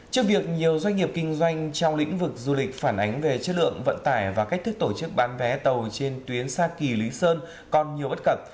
trước việc nhiều doanh nghiệp kinh doanh trong lĩnh vực du lịch phản ánh về chất lượng vận tải và cách thức tổ chức bán vé tàu trên tuyến xa kỳ lý sơn còn nhiều bất cập